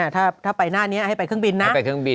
ถ้าไปหน้านี้ให้ไปเครื่องบินนะให้ไปเครื่องบิน